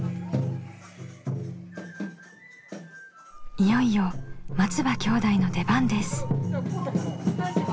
いよいよ松場兄弟の出番です。